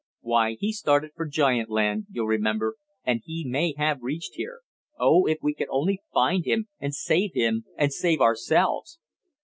"Why he started for giant land, you'll remember, and he may have reached here. Oh, if we could only find him, and save him and save ourselves!"